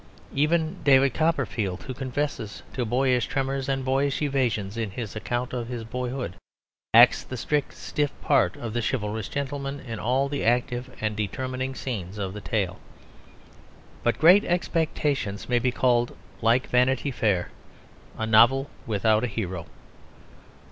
Even David Copperfield, who confesses to boyish tremors and boyish evasions in his account of his boyhood, acts the strict stiff part of the chivalrous gentleman in all the active and determining scenes of the tale. But Great Expectations may be called, like Vanity Fair, a novel without a hero.